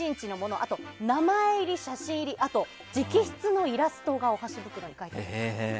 あとは名前入り、写真入りやあと、直筆のイラストがお箸袋に描いてあります。